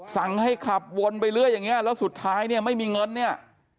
สั่งให้ขับวนไปเรื่อยอย่างเงี้แล้วสุดท้ายเนี่ยไม่มีเงินเนี่ย